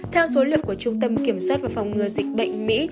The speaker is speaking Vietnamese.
theo số liệu của trung tâm kiểm soát và phòng ngừa dịch bệnh mỹ